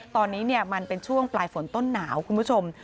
ตอนนี้มันเป็นช่วงปลายฝนต้นหนาวคุณผู้ชม